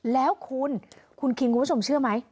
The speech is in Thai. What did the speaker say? แล้วคุณคุณคิงคุณผู้ชมเชื่อไหม